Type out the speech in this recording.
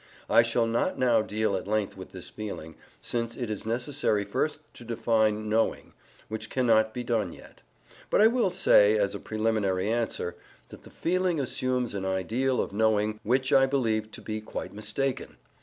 I shall not now deal at length with this feeling, since it is necessary first to define "knowing," which cannot be done yet. But I will say, as a preliminary answer, that the feeling assumes an ideal of knowing which I believe to be quite mistaken.